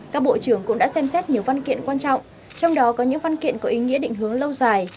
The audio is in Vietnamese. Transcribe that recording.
các bộ trưởng cũng đã xem xét nhiều văn kiện quan trọng trong đó có những văn kiện có ý nghĩa định hướng lâu dài